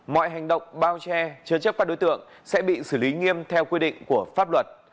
mọi hành động bao che chứa chấp các đối tượng sẽ bị xử lý nghiêm theo quy định của pháp luật